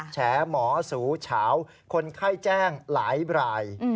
แฉหมอสูเฉาคนไข้แจ้งหลายราย